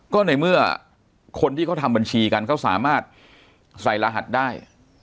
ก็ในเมื่อคนที่เขาทำบัญชีกันเขาสามารถใส่รหัสได้